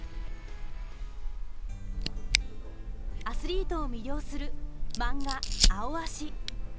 アスリートを魅了するマンガ「アオアシ」。